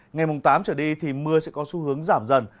ngày mùng tám trở đi thì mưa sẽ có xu hướng giảm dần